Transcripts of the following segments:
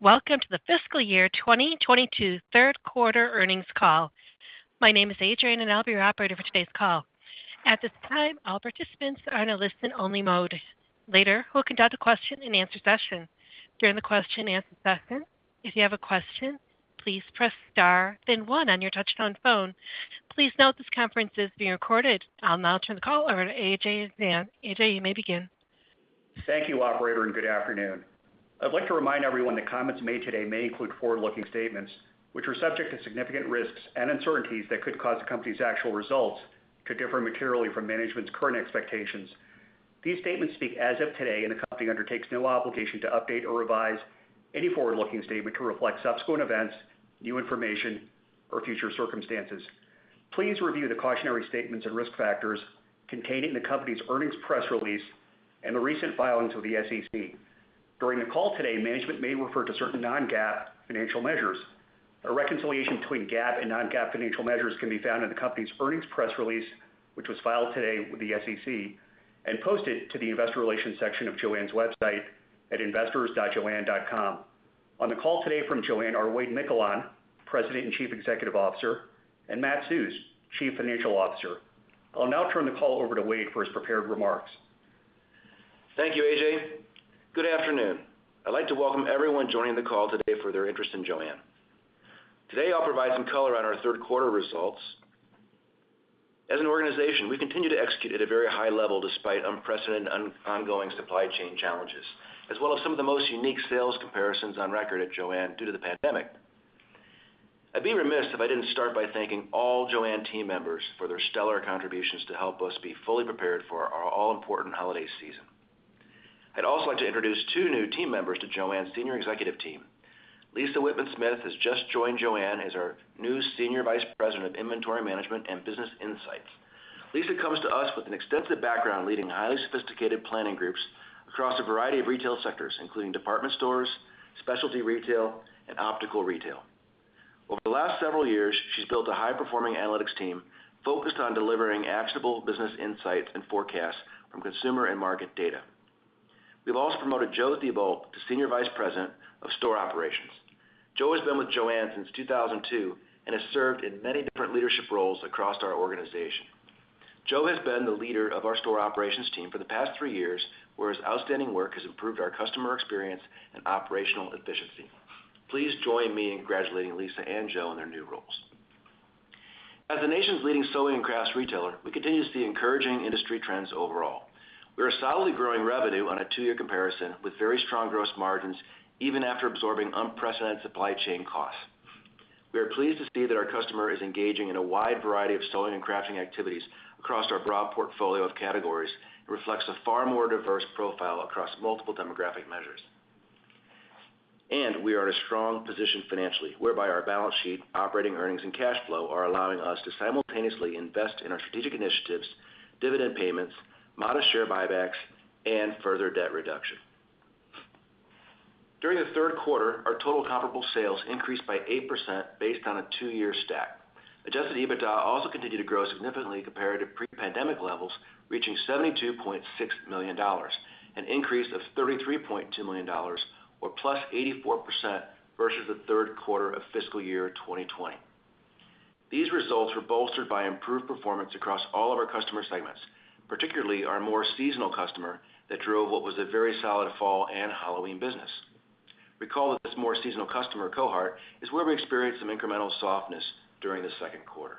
Welcome to the fiscal year 2022 third quarter earnings call. My name is Adrienne, and I'll be your operator for today's call. At this time, all participants are in a listen only mode. Later, we'll conduct a question and answer session. During the question and answer session, if you have a question, please press Star, then one on your touchtone phone. Please note this conference is being recorded. I'll now turn the call over to Ajay Jain. Ajay, you may begin. Thank you, operator, and good afternoon. I'd like to remind everyone that comments made today may include forward-looking statements which are subject to significant risks and uncertainties that could cause the company's actual results to differ materially from management's current expectations. These statements speak as of today, and the company undertakes no obligation to update or revise any forward-looking statement to reflect subsequent events, new information, or future circumstances. Please review the cautionary statements and risk factors contained in the company's earnings press release and the recent filings with the SEC. During the call today, management may refer to certain non-GAAP financial measures. A reconciliation between GAAP and non-GAAP financial measures can be found in the company's earnings press release, which was filed today with the SEC and posted to the investor relations section of JOANN's website at investors.joann.com. On the call today from JOANN are Wade Miquelon, President and Chief Executive Officer, and Matt Susz, Chief Financial Officer. I'll now turn the call over to Wade for his prepared remarks. Thank you, Ajay. Good afternoon. I'd like to welcome everyone joining the call today for their interest in JOANN. Today, I'll provide some color on our third quarter results. As an organization, we continue to execute at a very high level despite unprecedented ongoing supply chain challenges, as well as some of the most unique sales comparisons on record at JOANN due to the pandemic. I'd be remiss if I didn't start by thanking all JOANN team members for their stellar contributions to help us be fully prepared for our all-important holiday season. I'd also like to introduce two new team members to JOANN's senior executive team. Lisa Wittman-Smith has just joined JOANN as our new Senior Vice President of Inventory Management and Business Insights. Lisa comes to us with an extensive background leading highly sophisticated planning groups across a variety of retail sectors, including department stores, specialty retail and optical retail. Over the last several years, she's built a high-performing analytics team focused on delivering actionable business insights and forecasts from consumer and market data. We've also promoted Joe Thuebel to Senior Vice President of Store Operations. Joe has been with JOANN since 2002 and has served in many different leadership roles across our organization. Joe has been the leader of our store operations team for the past three years, where his outstanding work has improved our customer experience and operational efficiency. Please join me in congratulating Lisa and Joe in their new roles. As the nation's leading sewing and crafts retailer, we continue to see encouraging industry trends overall. We are solidly growing revenue on a two-year comparison with very strong gross margins, even after absorbing unprecedented supply chain costs. We are pleased to see that our customer is engaging in a wide variety of sewing and crafting activities across our broad portfolio of categories. It reflects a far more diverse profile across multiple demographic measures. We are in a strong position financially, whereby our balance sheet, operating earnings and cash flow are allowing us to simultaneously invest in our strategic initiatives, dividend payments, modest share buybacks and further debt reduction. During the third quarter, our total comparable sales increased by 8% based on a two-year stack. Adjusted EBITDA also continued to grow significantly compared to pre-pandemic levels, reaching $72.6 million, an increase of $33.2 million or +84% versus the third quarter of fiscal year 2020. These results were bolstered by improved performance across all of our customer segments, particularly our more seasonal customer that drove what was a very solid fall and Halloween business. Recall that this more seasonal customer cohort is where we experienced some incremental softness during the second quarter.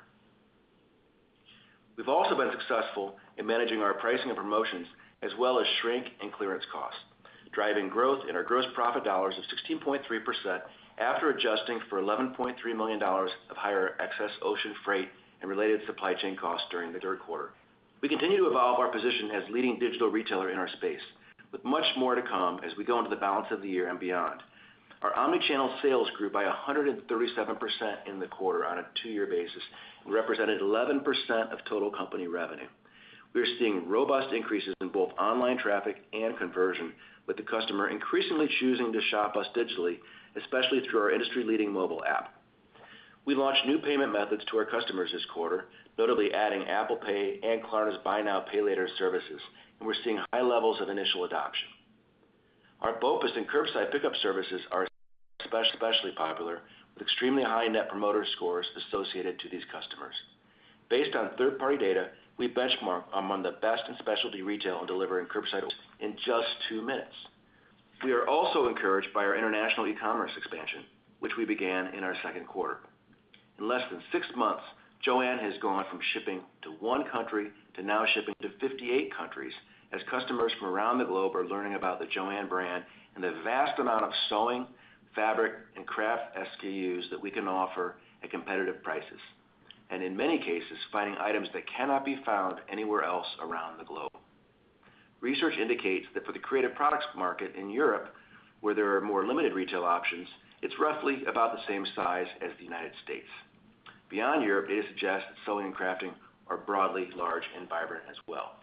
We've also been successful in managing our pricing and promotions as well as shrink and clearance costs, driving growth in our gross profit dollars of 16.3% after adjusting for $11.3 million of higher excess ocean freight and related supply chain costs during the third quarter. We continue to evolve our position as leading digital retailer in our space with much more to come as we go into the balance of the year and beyond. Our omnichannel sales grew by 137% in the quarter on a two-year basis and represented 11% of total company revenue. We are seeing robust increases in both online traffic and conversion, with the customer increasingly choosing to shop us digitally, especially through our industry-leading mobile app. We launched new payment methods to our customers this quarter, notably adding Apple Pay and Klarna's Buy Now, Pay Later services, and we're seeing high levels of initial adoption. Our BOPUS and curbside pickup services are especially popular with extremely high Net Promoter Scores associated to these customers. Based on third-party data, we benchmark among the best in specialty retail and delivering curbside in just two minutes. We are also encouraged by our international e-commerce expansion, which we began in our second quarter. In less than six months, JOANN has gone from shipping to one country to now shipping to 58 countries as customers from around the globe are learning about the JOANN brand and the vast amount of sewing, fabric, and craft SKUs that we can offer at competitive prices, and in many cases, finding items that cannot be found anywhere else around the globe. Research indicates that for the creative products market in Europe, where there are more limited retail options, it's roughly about the same size as the United States. Beyond Europe, data suggests that sewing and crafting are broadly large and vibrant as well.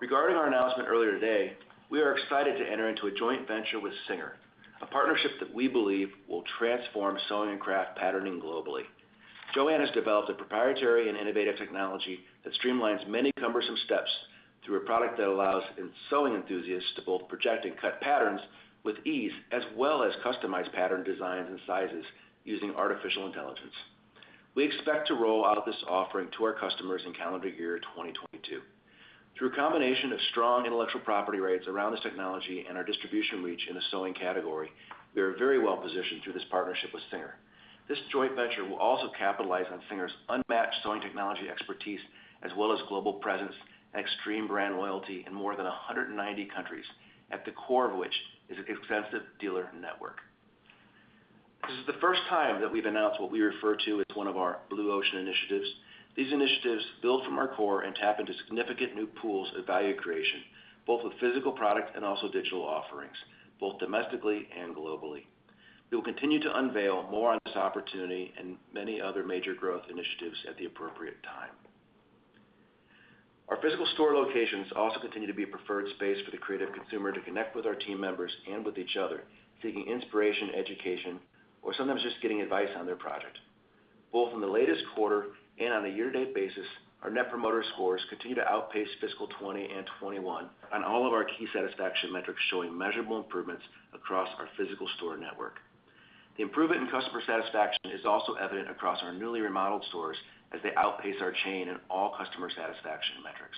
Regarding our announcement earlier today, we are excited to enter into a joint venture with SINGER, a partnership that we believe will transform sewing and craft patterning globally. JOANN has developed a proprietary and innovative technology that streamlines many cumbersome steps through a product that allows sewing enthusiasts to both project and cut patterns with ease, as well as customize pattern designs and sizes using artificial intelligence. We expect to roll out this offering to our customers in calendar year 2022. Through a combination of strong intellectual property rights around this technology and our distribution reach in the sewing category, we are very well positioned through this partnership with SINGER. This joint venture will also capitalize on SINGER's unmatched sewing technology expertise as well as global presence and extreme brand loyalty in more than 190 countries, at the core of which is an extensive dealer network. This is the first time that we've announced what we refer to as one of our Blue Ocean initiatives. These initiatives build from our core and tap into significant new pools of value creation, both with physical product and also digital offerings, both domestically and globally. We will continue to unveil more on this opportunity and many other major growth initiatives at the appropriate time. Our physical store locations also continue to be a preferred space for the creative consumer to connect with our team members and with each other, seeking inspiration, education, or sometimes just getting advice on their project. Both in the latest quarter and on a year-to-date basis, our Net Promoter Scores continue to outpace fiscal 2020 and 2021 on all of our key satisfaction metrics, showing measurable improvements across our physical store network. The improvement in customer satisfaction is also evident across our newly remodeled stores as they outpace our chain in all customer satisfaction metrics.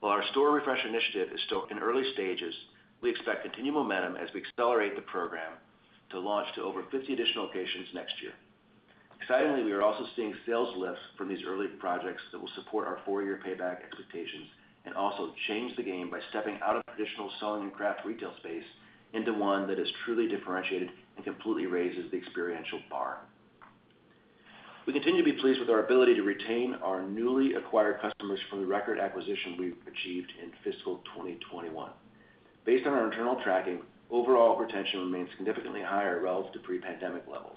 While our store refresh initiative is still in early stages, we expect continued momentum as we accelerate the program to launch to over 50 additional locations next year. Excitingly, we are also seeing sales lifts from these early projects that will support our four-year payback expectations and also change the game by stepping out of traditional sewing and craft retail space into one that is truly differentiated and completely raises the experiential bar. We continue to be pleased with our ability to retain our newly acquired customers from the record acquisition we achieved in fiscal 2021. Based on our internal tracking, overall retention remains significantly higher relative to pre-pandemic levels.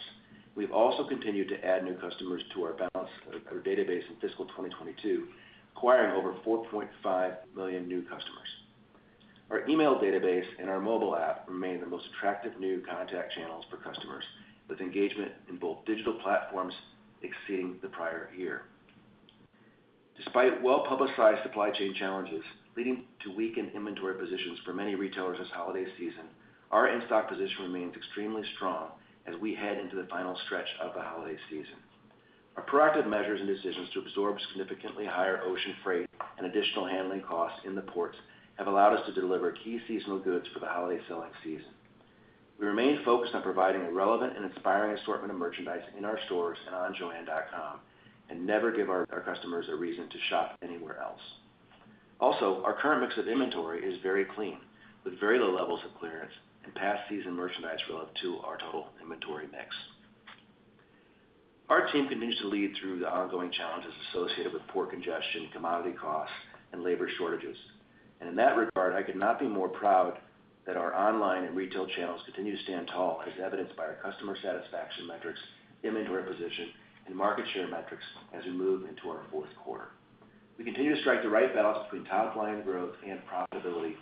We've also continued to add new customers to our database in fiscal 2022, acquiring over 4.5 million new customers. Our email database and our mobile app remain the most attractive new contact channels for customers, with engagement in both digital platforms exceeding the prior year. Despite well-publicized supply chain challenges leading to weakened inventory positions for many retailers this holiday season, our in-stock position remains extremely strong as we head into the final stretch of the holiday season. Our proactive measures and decisions to absorb significantly higher ocean freight and additional handling costs in the ports have allowed us to deliver key seasonal goods for the holiday selling season. We remain focused on providing a relevant and inspiring assortment of merchandise in our stores and on joann.com and never give our customers a reason to shop anywhere else. Also, our current mix of inventory is very clean, with very low levels of clearance and past-season merchandise relative to our total inventory mix. Our team continues to lead through the ongoing challenges associated with port congestion, commodity costs, and labor shortages. In that regard, I could not be more proud that our online and retail channels continue to stand tall, as evidenced by our customer satisfaction metrics, inventory position, and market share metrics as we move into our fourth quarter. We continue to strike the right balance between top-line growth and profitability,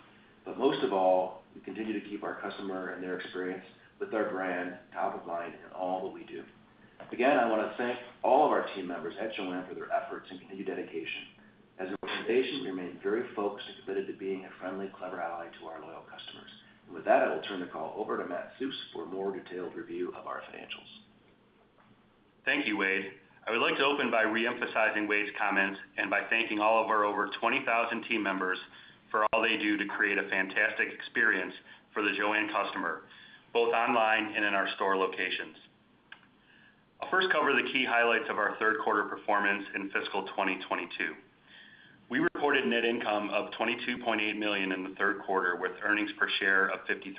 but most of all, we continue to keep our customer and their experience with our brand top of mind in all that we do. Again, I wanna thank all of our team members at JOANN for their efforts and continued dedication. As an organization, we remain very focused and committed to being a friendly, clever ally to our loyal customers. With that, I will turn the call over to Matt Susz for a more detailed review of our financials. Thank you, Wade. I would like to open by re-emphasizing Wade's comments and by thanking all of our over 20,000 team members for all they do to create a fantastic experience for the JOANN customer, both online and in our store locations. I'll first cover the key highlights of our third quarter performance in fiscal 2022. We reported net income of $22.8 million in the third quarter, with earnings per share of $0.53.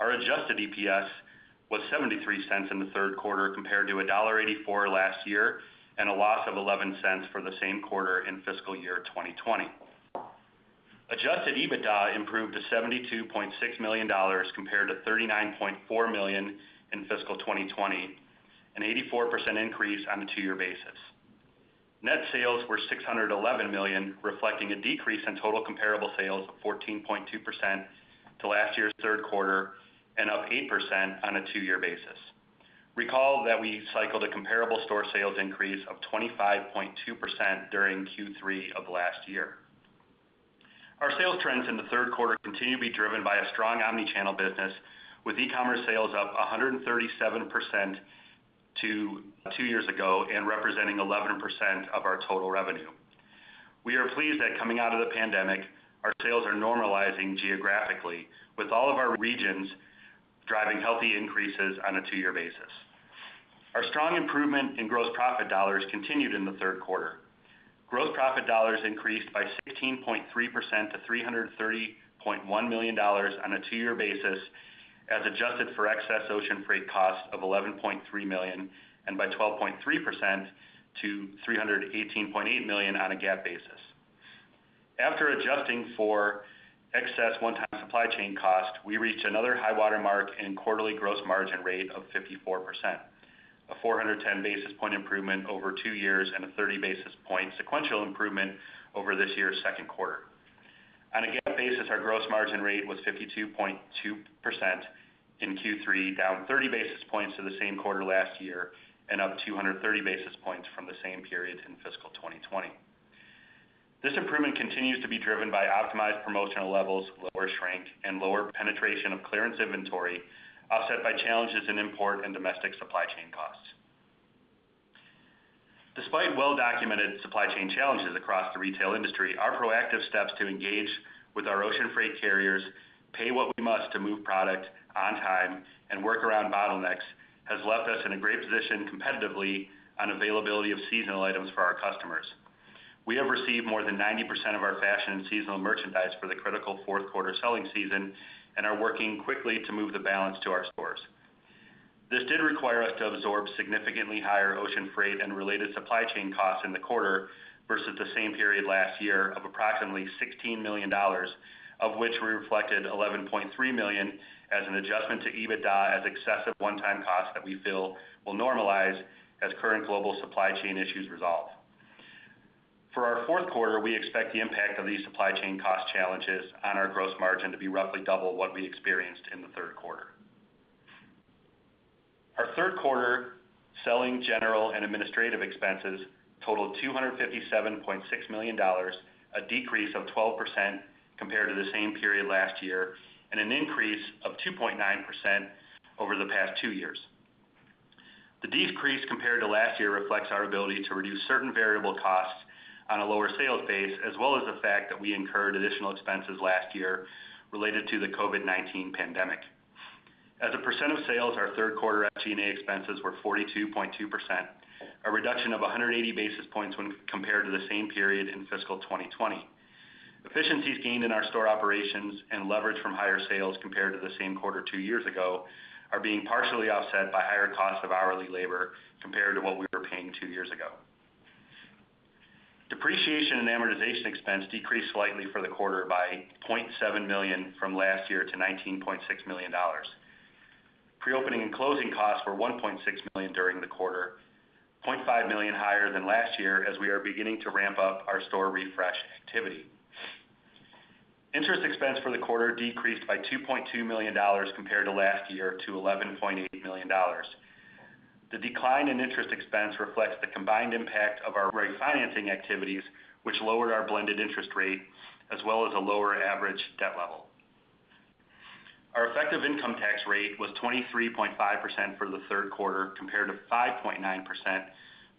Our adjusted EPS was $0.73 in the third quarter compared to $1.84 last year and a loss of $0.11 for the same quarter in fiscal year 2020. Adjusted EBITDA improved to $72.6 million compared to $39.4 million in fiscal 2020, an 84% increase on a two-year basis. Net sales were $611 million, reflecting a decrease in total comparable sales of 14.2% to last year's third quarter and up 8% on a two-year basis. Recall that we cycled a comparable store sales increase of 25.2% during Q3 of last year. Our sales trends in the third quarter continue to be driven by a strong omni-channel business, with e-commerce sales up 137% to two years ago and representing 11% of our total revenue. We are pleased that coming out of the pandemic, our sales are normalizing geographically, with all of our regions driving healthy increases on a two-year basis. Our strong improvement in gross profit dollars continued in the third quarter. Gross profit dollars increased by 16.3% to $330.1 million on a two-year basis as adjusted for excess ocean freight costs of $11.3 million and by 12.3% to $318.8 million on a GAAP basis. After adjusting for excess one-time supply chain costs, we reached another high water mark in quarterly gross margin rate of 54%, a 410 basis points improvement over two years and a 30 basis points sequential improvement over this year's second quarter. On a GAAP basis, our gross margin rate was 52.2% in Q3, down 30 basis points to the same quarter last year, and up 230 basis points from the same period in fiscal 2020. This improvement continues to be driven by optimized promotional levels, lower shrink, and lower penetration of clearance inventory, offset by challenges in import and domestic supply chain costs. Despite well-documented supply chain challenges across the retail industry, our proactive steps to engage with our ocean freight carriers, pay what we must to move product on time, and work around bottlenecks has left us in a great position competitively on availability of seasonal items for our customers. We have received more than 90% of our fashion and seasonal merchandise for the critical fourth quarter selling season and are working quickly to move the balance to our stores. This did require us to absorb significantly higher ocean freight and related supply chain costs in the quarter versus the same period last year of approximately $16 million, of which we reflected $11.3 million as an adjustment to EBITDA as excessive one-time costs that we feel will normalize as current global supply chain issues resolve. For our fourth quarter, we expect the impact of these supply chain cost challenges on our gross margin to be roughly double what we experienced in the third quarter. Our third quarter selling, general, and administrative expenses totaled $257.6 million, a decrease of 12% compared to the same period last year and an increase of 2.9% over the past two years. The decrease compared to last year reflects our ability to reduce certain variable costs on a lower sales base, as well as the fact that we incurred additional expenses last year related to the COVID-19 pandemic. As a percent of sales, our third quarter SG&A expenses were 42.2%, a reduction of 180 basis points when compared to the same period in fiscal 2020. Efficiencies gained in our store operations and leverage from higher sales compared to the same quarter two years ago are being partially offset by higher costs of hourly labor compared to what we were paying two years ago. Depreciation and amortization expense decreased slightly for the quarter by $0.7 million from last year to $19.6 million. Pre-opening and closing costs were $1.6 million during the quarter, $0.5 million higher than last year as we are beginning to ramp up our store refresh activity. Interest expense for the quarter decreased by $2.2 million compared to last year to $11.8 million. The decline in interest expense reflects the combined impact of our refinancing activities, which lowered our blended interest rate, as well as a lower average debt level. Our effective income tax rate was 23.5% for the third quarter, compared to 5.9%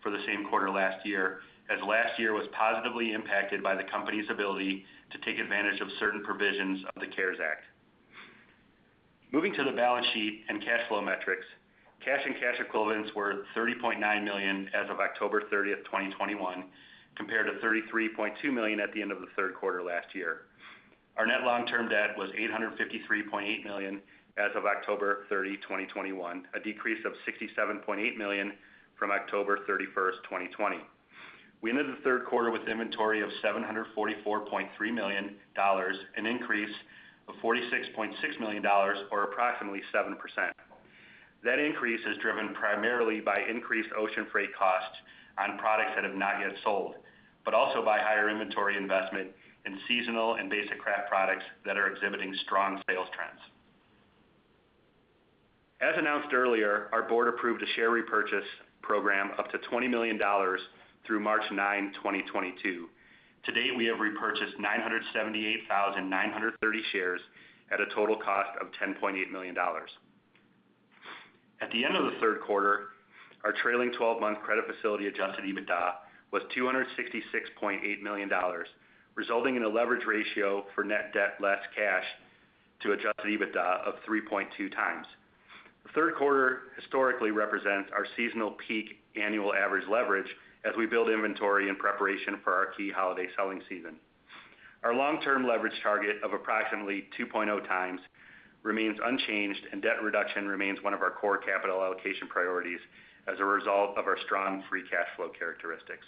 for the same quarter last year, as last year was positively impacted by the company's ability to take advantage of certain provisions of the CARES Act. Moving to the balance sheet and cash flow metrics, cash and cash equivalents were $30.9 million as of October 30, 2021, compared to $33.2 million at the end of the third quarter last year. Our net long-term debt was $853.8 million as of October 30, 2021, a decrease of $67.8 million from October 31, 2020. We ended the third quarter with inventory of $744.3 million, an increase of $46.6 million or approximately 7%. That increase is driven primarily by increased ocean freight costs on products that have not yet sold, but also by higher inventory investment in seasonal and basic craft products that are exhibiting strong sales trends. As announced earlier, our board approved a share repurchase program up to $20 million through March 9, 2022. To date, we have repurchased 978,930 shares at a total cost of $10.8 million. At the end of the third quarter, our trailing 12-month credit facility adjusted EBITDA was $266.8 million, resulting in a leverage ratio for net debt less cash to adjusted EBITDA of 3.2x. The third quarter historically represents our seasonal peak annual average leverage as we build inventory in preparation for our key holiday selling season. Our long-term leverage target of approximately 2.0x remains unchanged, and debt reduction remains one of our core capital allocation priorities as a result of our strong free cash flow characteristics.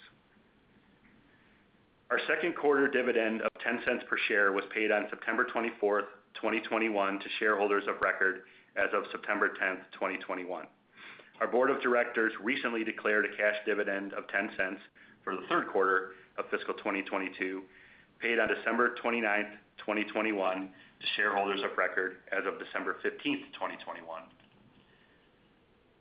Our second quarter dividend of $0.10 per share was paid on September 24, 2021 to shareholders of record as of September 10, 2021. Our board of directors recently declared a cash dividend of $0.10 for the third quarter of fiscal 2022, paid on December 29, 2021 to shareholders of record as of December 15, 2021.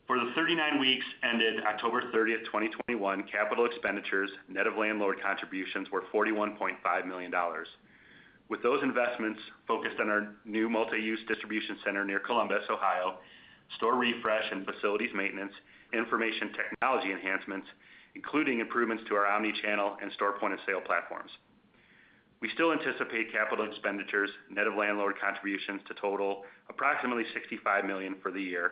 For the 39 weeks ended October 30, 2021, capital expenditures net of landlord contributions were $41.5 million. With those investments focused on our new multi-use distribution center near Columbus, Ohio, store refresh and facilities maintenance, information technology enhancements, including improvements to our omni-channel and store point of sale platforms. We still anticipate capital expenditures, net of landlord contributions to total approximately $65 million for the year,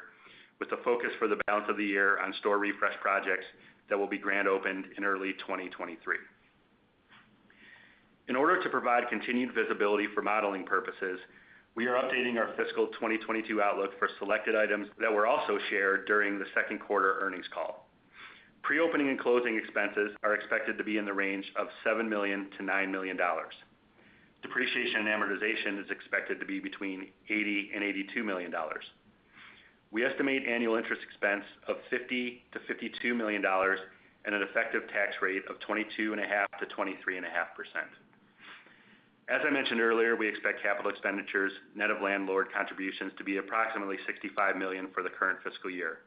with the focus for the balance of the year on store refresh projects that will be grand opened in early 2023. In order to provide continued visibility for modeling purposes, we are updating our fiscal 2022 outlook for selected items that were also shared during the second quarter earnings call. Pre-opening and closing expenses are expected to be in the range of $7 million-$9 million. Depreciation and amortization is expected to be between $80 million-$82 million. We estimate annual interest expense of $50 million-$52 million and an effective tax rate of 22.5%-23.5%. As I mentioned earlier, we expect capital expenditures net of landlord contributions to be approximately $65 million for the current fiscal year.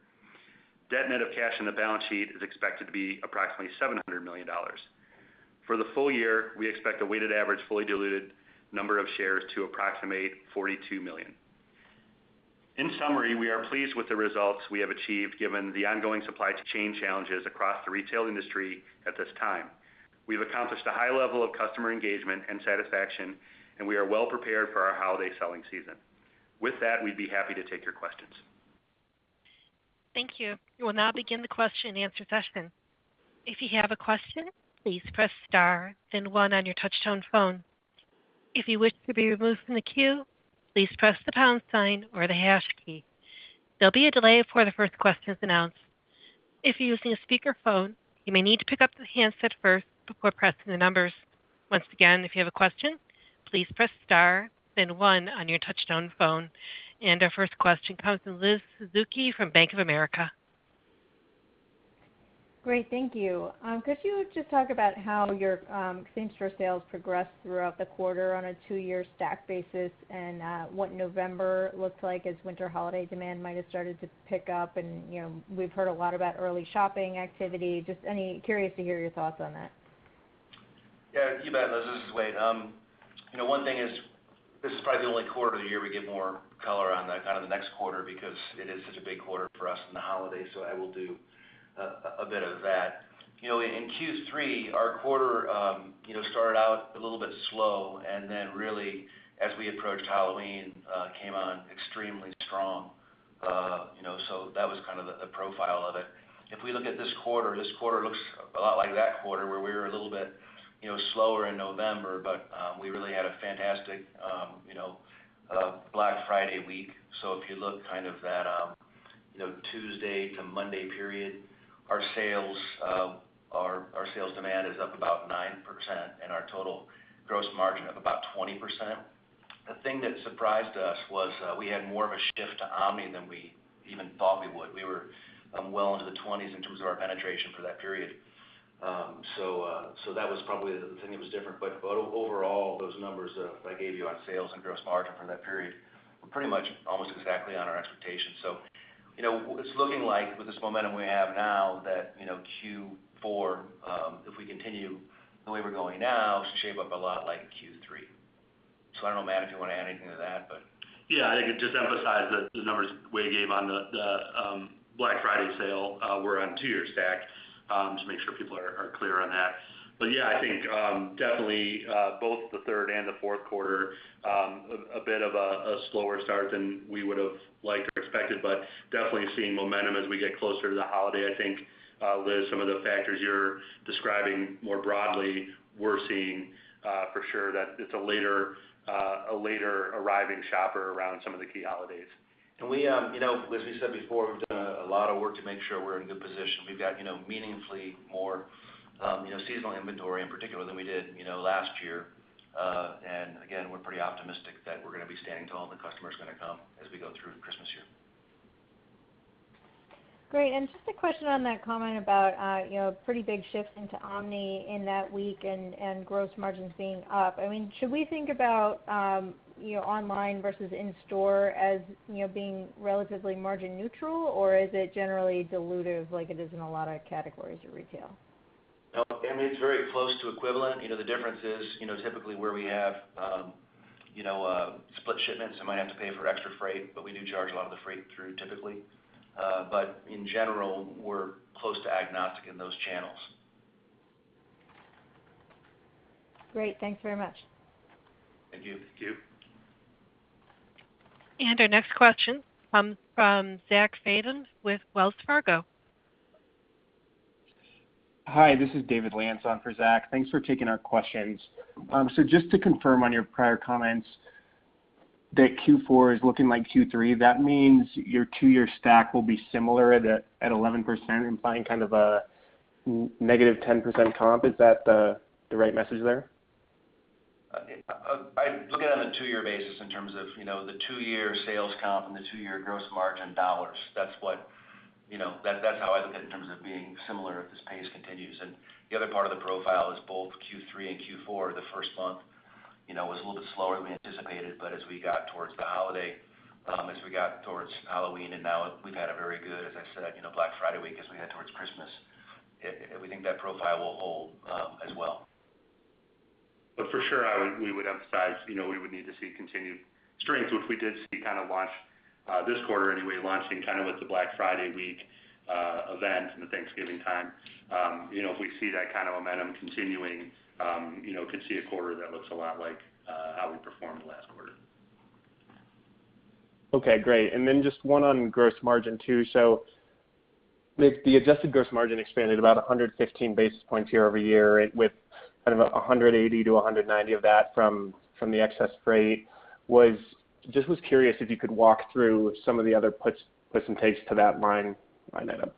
Debt net of cash in the balance sheet is expected to be approximately $700 million. For the full year, we expect a weighted average fully diluted number of shares to approximate 42 million. In summary, we are pleased with the results we have achieved given the ongoing supply chain challenges across the retail industry at this time. We've accomplished a high level of customer engagement and satisfaction, and we are well prepared for our holiday selling season. With that, we'd be happy to take your questions. Thank you. We will now begin the question-and-answer session. If you have a question, please press star then one on your touchtone phone. If you wish to be removed from the queue, please press the pound sign or the hash key. There'll be a delay before the first question is announced. If you're using a speakerphone, you may need to pick up the handset first before pressing the numbers. Once again, if you have a question, please press star then one on your touchtone phone. Our first question comes from Liz Suzuki from Bank of America. Great, thank you. Could you just talk about how your same-store sales progressed throughout the quarter on a two-year stack basis and what November looks like as winter holiday demand might have started to pick up and, you know, we've heard a lot about early shopping activity. Curious to hear your thoughts on that. Yeah, you bet, Liz. This is Wade. You know, one thing is this is probably the only quarter of the year we give more color on that kind of the next quarter because it is such a big quarter for us in the holidays, so I will do a bit of that. You know, in Q3, our quarter, you know, started out a little bit slow and then really as we approached Halloween, came on extremely strong. You know, so that was kind of the profile of it. If we look at this quarter, this quarter looks a lot like that quarter where we were a little bit, you know, slower in November, but we really had a fantastic, you know, Black Friday week. If you look kind of that, you know, Tuesday to Monday period, our sales demand is up about 9% and our total gross margin of about 20%. The thing that surprised us was we had more of a shift to omni than we even thought we would. We were well into the 20s in terms of our penetration for that period. That was probably the thing that was different. Overall, those numbers that I gave you on sales and gross margin from that period were pretty much almost exactly on our expectations. You know, it's looking like with this momentum we have now that, you know, Q4, if we continue the way we're going now, should shape up a lot like Q3. I don't know, Matt, if you wanna add anything to that, but. Yeah. I think just emphasize that the numbers Wade gave on the Black Friday sale were on two-year stack just to make sure people are clear on that. Yeah, I think definitely both the third and the fourth quarter a bit of a slower start than we would have liked or expected, but definitely seeing momentum as we get closer to the holiday. I think Liz, some of the factors you're describing more broadly, we're seeing for sure that it's a later arriving shopper around some of the key holidays. We, you know, as we said before, we've done a lot of work to make sure we're in a good position. We've got, you know, meaningfully more, you know, seasonal inventory in particular than we did, you know, last year. Again, we're pretty optimistic that we're gonna be standing tall and the customer's gonna come as we go through Christmas here. Great. Just a question on that comment about, you know, pretty big shift into omni in that week and gross margins being up. I mean, should we think about, you know, online versus in-store as, you know, being relatively margin neutral, or is it generally dilutive like it is in a lot of categories of retail? No, I mean, it's very close to equivalent. You know, the difference is, you know, typically where we have, you know, split shipments, they might have to pay for extra freight, but we do charge a lot of the freight through typically. But in general, we're close to agnostic in those channels. Great. Thanks very much. Thank you. Thank you. Our next question comes from Zach Fadem with Wells Fargo. Hi, this is David Lantz on for Zach. Thanks for taking our questions. Just to confirm on your prior comments that Q4 is looking like Q3, that means your two-year stack will be similar at 11%, implying kind of a negative 10% comp. Is that the right message there? I look at it on a two-year basis in terms of, you know, the two-year sales comp and the two-year gross margin dollars. That's what, you know, that's how I look at it in terms of being similar if this pace continues. The other part of the profile is both Q3 and Q4, the first month, you know, was a little bit slower than we anticipated. As we got towards the holiday, as we got towards Halloween and now we've had a very good, as I said, you know, Black Friday week as we head towards Christmas. We think that profile will hold, as well. For sure, we would emphasize, you know, we would need to see continued strength, which we did see kind of launch this quarter anyway, launching kind of with the Black Friday week event and the Thanksgiving time. You know, if we see that kind of momentum continuing, you know, could see a quarter that looks a lot like how we performed last quarter. Okay, great. Just one on gross margin too. The adjusted gross margin expanded about 115 basis points year-over-year with kind of 180-190 of that from the excess freight. Just was curious if you could walk through some of the other puts and takes to that line item.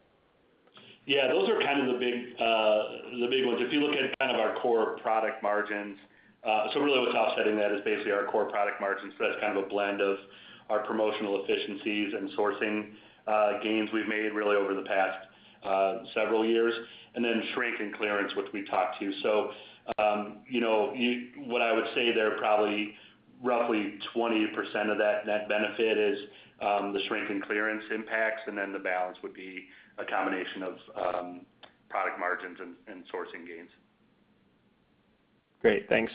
Yeah, those are kind of the big ones. If you look at kind of our core product margins, so really what's offsetting that is basically our core product margins. That's kind of a blend of our promotional efficiencies and sourcing gains we've made really over the past several years, and then shrink and clearance, which we talked to. You know, what I would say there, probably roughly 20% of that net benefit is the shrink and clearance impacts, and then the balance would be a combination of product margins and sourcing gains. Great. Thanks.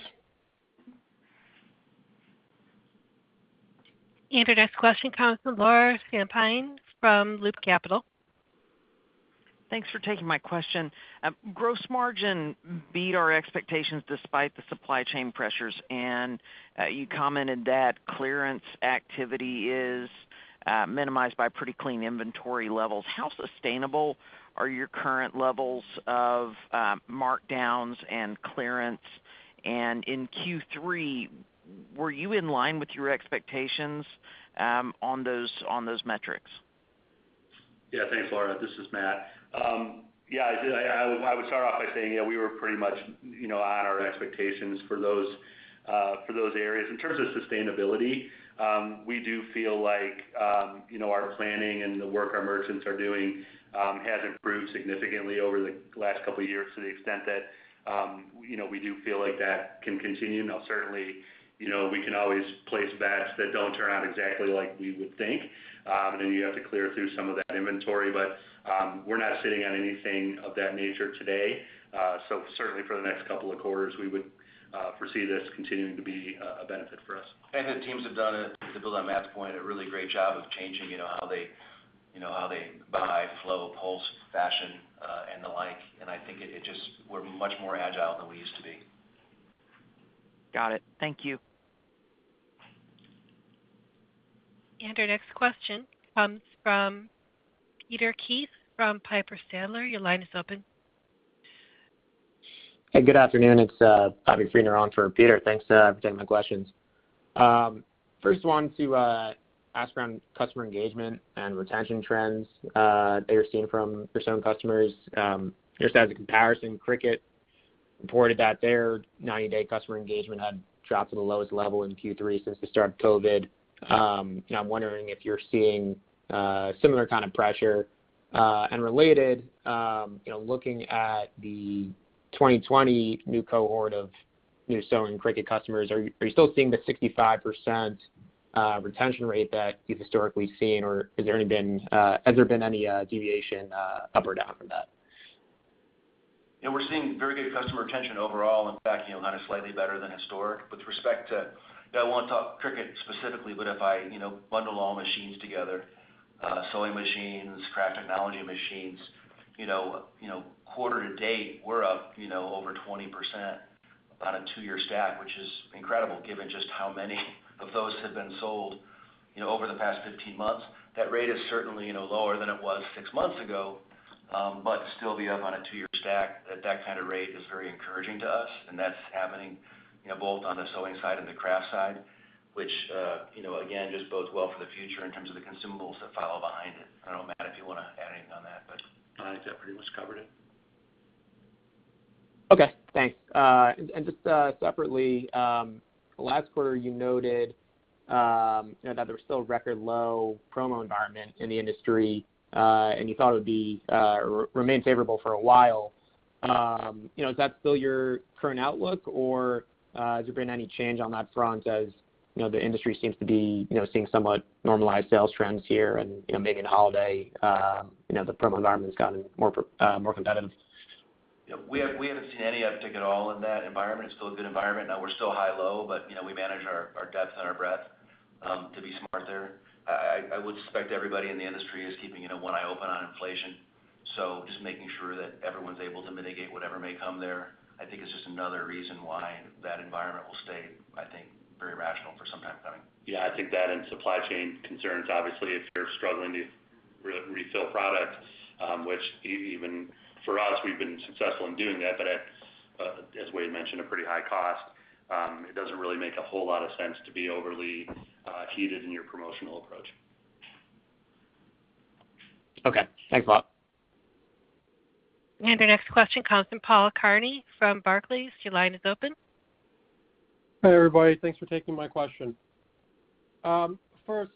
Our next question comes from Laura Champine from Loop Capital Markets. Thanks for taking my question. Gross margin beat our expectations despite the supply chain pressures, and you commented that clearance activity is minimized by pretty clean inventory levels. How sustainable are your current levels of markdowns and clearance? In Q3, were you in line with your expectations on those metrics? Yeah. Thanks, Laura. This is Matt. Yeah, I would start off by saying, yeah, we were pretty much, you know, on our expectations for those areas. In terms of sustainability, we do feel like, you know, our planning and the work our merchants are doing has improved significantly over the last couple of years to the extent that, you know, we do feel like that can continue. Now certainly, you know, we can always place bets that don't turn out exactly like we would think, and you have to clear through some of that inventory. We're not sitting on anything of that nature today. Certainly for the next couple of quarters, we would foresee this continuing to be a benefit for us. The teams have done, to build on Matt's point, a really great job of changing, you know, how they, you know, how they buy, flow, pulse, fashion, and the like. I think it just, we're much more agile than we used to be. Got it. Thank you. Our next question comes from Peter Keith from Piper Sandler. Your line is open. Hey, good afternoon. It's Bobby Friedner for Peter. Thanks for taking my questions. First one to ask around customer engagement and retention trends that you're seeing from your sewing customers. Just as a comparison, Cricut reported that their 90-day customer engagement had dropped to the lowest level in Q3 since the start of COVID. I'm wondering if you're seeing similar kind of pressure. Related, you know, looking at the 2020 new cohort of new sewing Cricut customers, are you still seeing the 65% retention rate that you've historically seen, or has there been any deviation up or down from that? Yeah, we're seeing very good customer retention overall. In fact, you know, kind of slightly better than historic. With respect to I won't talk Cricut specifically, but if I, you know, bundle all machines together, sewing machines, craft technology machines, you know, quarter to date, we're up, you know, over 20% on a two-year stack, which is incredible given just how many of those have been sold, you know, over the past 15 months. That rate is certainly, you know, lower than it was six months ago, but to still be up on a two-year stack at that kind of rate is very encouraging to us. That's happening, you know, both on the sewing side and the craft side, which, you know, again, just bodes well for the future in terms of the consumables that follow behind it. I don't know, Matt, if you wanna add anything on that, but. No, I think that pretty much covered it. Okay, thanks. Just separately, last quarter you noted, you know, that there was still a record low promo environment in the industry, and you thought it would be remain favorable for a while. You know, is that still your current outlook, or has there been any change on that front as, you know, the industry seems to be, you know, seeing somewhat normalized sales trends here and, you know, maybe in holiday, you know, the promo environment has gotten more competitive? Yeah, we haven't seen any uptick at all in that environment. It's still a good environment. Now we're still high low, but, you know, we manage our depth and our breadth to be smart there. I would suspect everybody in the industry is keeping, you know, one eye open on inflation, so just making sure that everyone's able to mitigate whatever may come there. I think it's just another reason why that environment will stay, I think, very rational for some time coming. Yeah. I think that and supply chain concerns. Obviously, if you're struggling to refill product, which even for us, we've been successful in doing that, but at, as Wade mentioned, a pretty high cost. It doesn't really make a whole lot of sense to be overly heated in your promotional approach. Okay. Thanks a lot. Our next question comes from Paul Kearney from Barclays. Your line is open. Hi, everybody. Thanks for taking my question. First,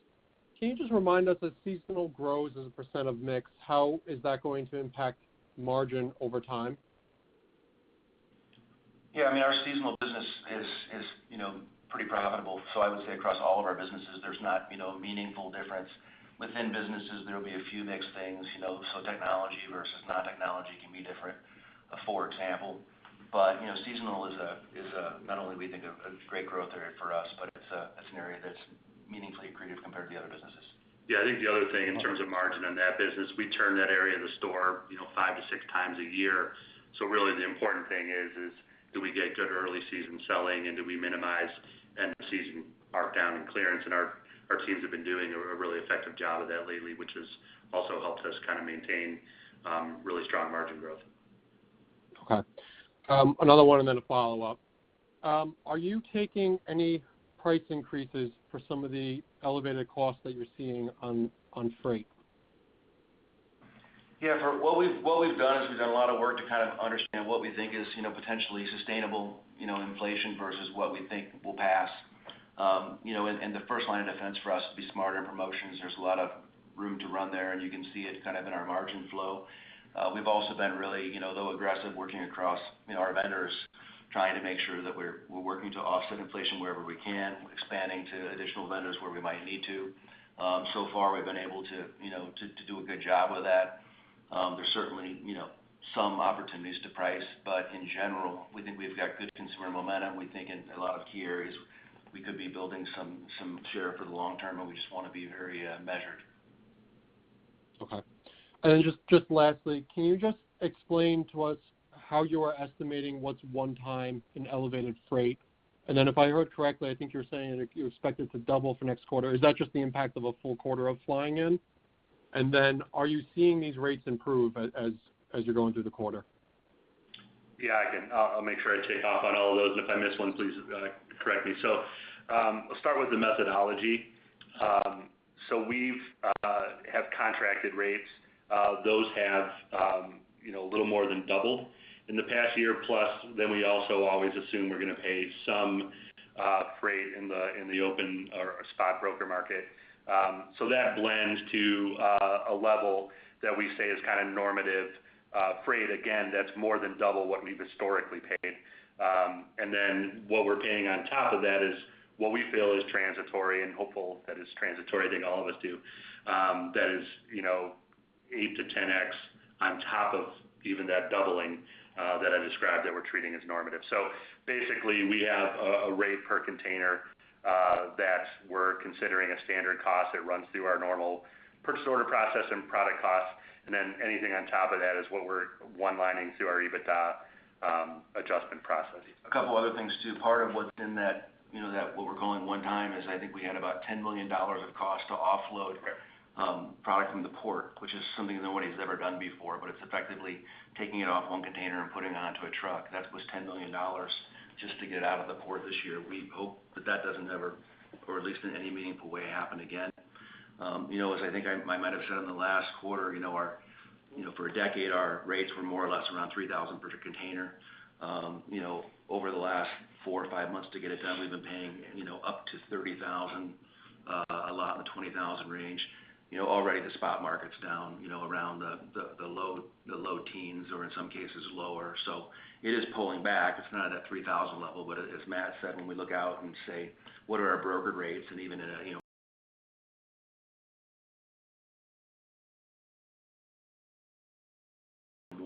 can you just remind us that seasonal growth as a % of mix, how is that going to impact margin over time? Yeah. I mean, our seasonal business is, you know, pretty profitable. I would say across all of our businesses, there's not, you know, a meaningful difference. Within businesses, there will be a few mixed things, you know. Technology versus non-technology can be different, for example. You know, seasonal is a not only we think of a great growth area for us, but it's an area that's meaningfully accretive compared to the other businesses. Yeah. I think the other thing in terms of margin on that business, we turn that area of the store, you know, five to six times a year. Really the important thing is do we get good early season selling and do we minimize end of season markdown and clearance? Our teams have been doing a really effective job of that lately, which has also helped us kind of maintain really strong margin growth. Okay. Another one and then a follow-up. Are you taking any price increases for some of the elevated costs that you're seeing on freight? Yeah. What we've done is we've done a lot of work to kind of understand what we think is, you know, potentially sustainable, you know, inflation versus what we think will pass. You know, the first line of defense for us would be smarter promotions. There's a lot of room to run there, and you can see it kind of in our margin flow. We've also been really, you know, too aggressive working across, you know, our vendors, trying to make sure that we're working to offset inflation wherever we can, expanding to additional vendors where we might need to. So far we've been able to, you know, to do a good job with that. There's certainly, you know, some opportunities to price. In general, we think we've got good consumer momentum. We think in a lot of key areas we could be building some share for the long term, and we just wanna be very measured. Okay. Just lastly, can you just explain to us how you are estimating what's one time in elevated freight? If I heard correctly, I think you're saying that you expect it to double for next quarter. Is that just the impact of a full quarter of flying in? Are you seeing these rates improve as you're going through the quarter? Yeah, I can. I'll make sure I take off on all of those, and if I miss one, please, correct me. I'll start with the methodology. We have contracted rates. Those have you know, a little more than doubled in the past year plus. Then we also always assume we're gonna pay some freight in the open or spot broker market. That blends to a level that we say is kind of normative freight. Again, that's more than double what we've historically paid. And then what we're paying on top of that is what we feel is transitory and hopeful that it's transitory, I think all of us do. That is you know, 8-10x on top of even that doubling that I described that we're treating as normative. Basically, we have a rate per container that we're considering a standard cost that runs through our normal purchase order process and product costs. Then anything on top of that is what we're outlining through our EBITDA adjustment process. A couple other things too. Part of what's in that, you know, that what we're calling one time is I think we had about $10 million of cost to offload. Right Product from the port, which is something nobody's ever done before, but it's effectively taking it off one container and putting it onto a truck. That was $10 million just to get out of the port this year. We hope that doesn't ever, or at least in any meaningful way, happen again. You know, as I think I might have said in the last quarter, you know, our, you know, for a decade our rates were more or less around 3,000 per container. You know, over the last four or five months to get it done, we've been paying, you know, up to 30,000, a lot in the 20,000 range. You know, already the spot market's down, you know, around the low teens or in some cases lower. It is pulling back. It's not at 3,000 level. As Matt said, when we look out and say, "What are our broker rates?" Even in a, you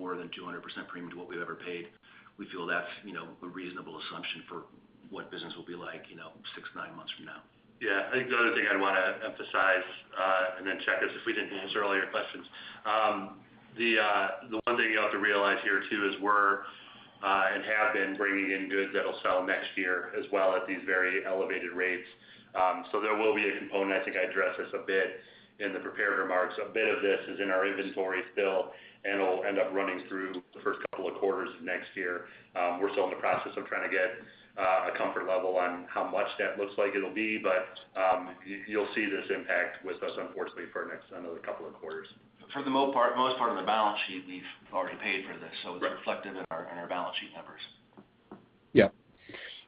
know. More than 200% premium to what we've ever paid. We feel that's, you know, a reasonable assumption for what business will be like, you know, six to nine months from now. Yeah. I think the other thing I'd wanna emphasize, and then check is if we didn't answer all your questions. The one thing you have to realize here too is we're and have been bringing in goods that'll sell next year as well at these very elevated rates. There will be a component, I think I addressed this a bit in the prepared remarks. A bit of this is in our inventory still, and it'll end up running through the first couple of quarters of next year. We're still in the process of trying to get a comfort level on how much that looks like it'll be, but you'll see this impact with us unfortunately for the next, another couple of quarters. For the most part of the balance sheet, we've already paid for this. It's reflected in our balance sheet numbers. Yeah.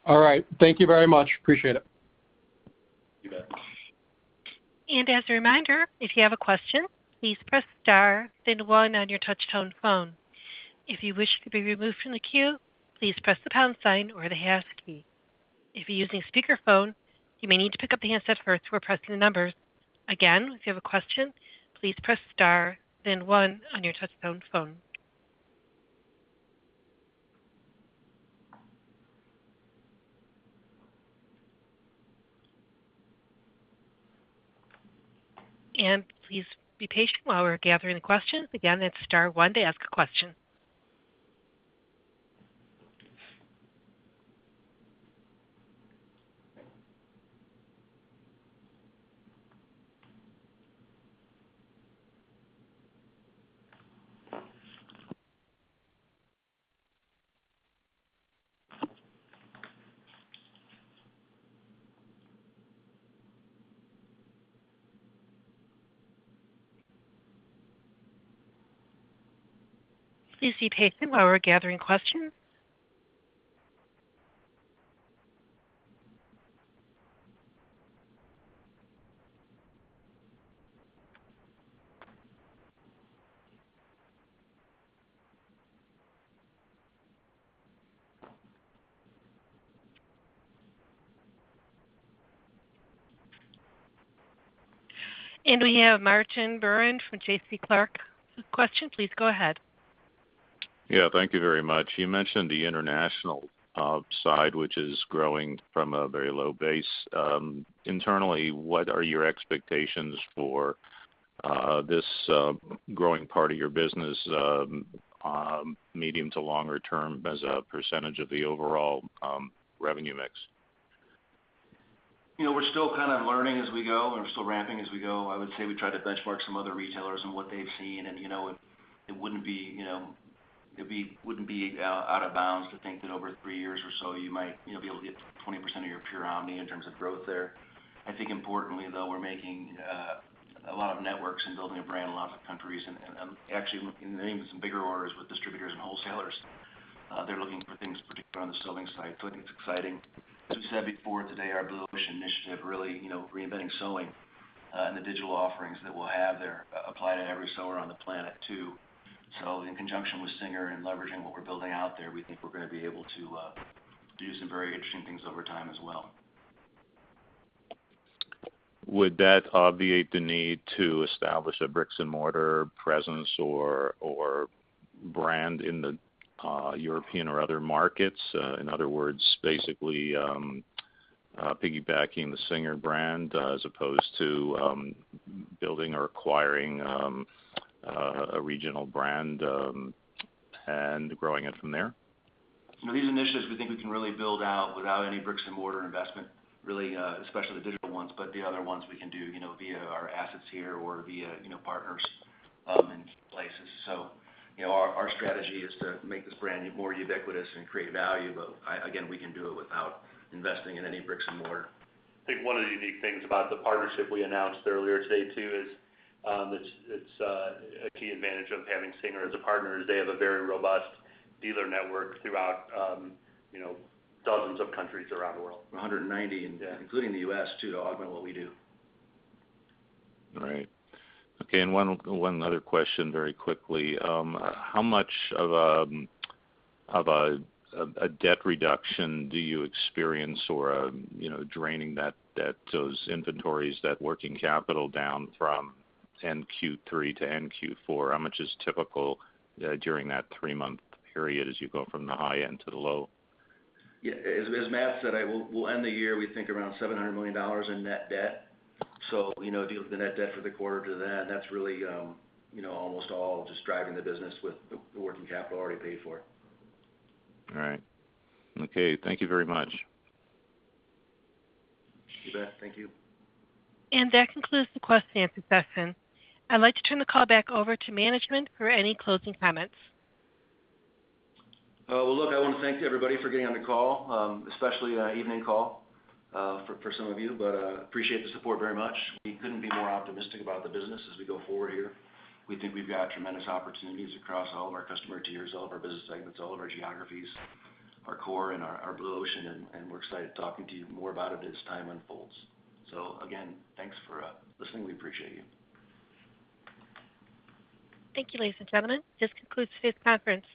All right. Thank you very much. Appreciate it. You bet. As a reminder, if you have a question, please press star then one on your touchtone phone. If you wish to be removed from the queue, please press the pound sign or the hash key. If you're using speakerphone, you may need to pick up the handset first before pressing the numbers. Again, if you have a question, please press star then one on your touchtone phone. Please be patient while we're gathering the questions. Again, that's star one to ask a question. Please be patient while we're gathering questions. We have Martin Braun from JC Clark with question. Please go ahead. Yeah. Thank you very much. You mentioned the international side, which is growing from a very low base. Internally, what are your expectations for this growing part of your business, medium to longer term as a percentage of the overall revenue mix? You know, we're still kind of learning as we go, and we're still ramping as we go. I would say we try to benchmark some other retailers and what they've seen, and, you know, it wouldn't be out of bounds to think that over three years or so you might, you know, be able to get 20% of your pure Omni in terms of growth there. I think importantly, though, we're making a lot of inroads and building a brand in lots of countries and, actually landing some bigger orders with distributors and wholesalers. They're looking for things, particularly on the sewing side. I think it's exciting. As we said before today, our Blue Ocean initiative really, you know, reinventing sewing, and the digital offerings that we'll have there apply to every sewer on the planet, too. In conjunction with SINGER and leveraging what we're building out there, we think we're gonna be able to do some very interesting things over time as well. Would that obviate the need to establish a bricks-and-mortar presence or brand in the European or other markets? In other words, basically, piggybacking the SINGER brand, as opposed to building or acquiring a regional brand, and growing it from there? No, these initiatives we think we can really build out without any bricks-and-mortar investment really, especially the digital ones, but the other ones we can do, you know, via our assets here or via, you know, partners in places. You know, our strategy is to make this brand more ubiquitous and create value, but again, we can do it without investing in any bricks and mortar. I think one of the unique things about the partnership we announced earlier today too is, it's a key advantage of having SINGER as a partner is they have a very robust dealer network throughout, you know, dozens of countries around the world. 190, including the U.S., too, to augment what we do. All right. Okay, one other question very quickly. How much of a debt reduction do you experience or draining that debt, those inventories, that working capital down from end Q3 to end Q4? How much is typical during that three-month period as you go from the high end to the low? Yeah, as Matt said, we'll end the year, we think, around $700 million in net debt. You know, if you look at the net debt for the quarter to then, that's really, you know, almost all just driving the business with the working capital already paid for. All right. Okay, thank you very much. You bet. Thank you. That concludes the question and answer session. I'd like to turn the call back over to management for any closing comments. Well, look, I wanna thank everybody for getting on the call, especially an evening call, for some of you, but appreciate the support very much. We couldn't be more optimistic about the business as we go forward here. We think we've got tremendous opportunities across all of our customer tiers, all of our business segments, all of our geographies, our core and our Blue Ocean, and we're excited talking to you more about it as time unfolds. Again, thanks for listening. We appreciate you. Thank you, ladies and gentlemen. This concludes today's conference.